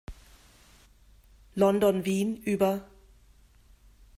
London-Wien über.